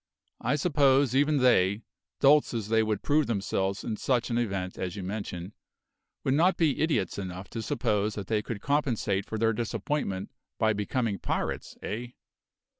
I suppose even they dolts as they would prove themselves in such an event as you mention would not be idiots enough to suppose that they could compensate for their disappointment by becoming pirates, eh?"